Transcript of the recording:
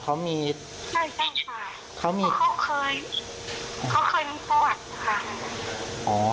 เขามีใช่ใช่ค่ะเขามีเขาเคยเขาเคยมีประวัติค่ะอ๋อ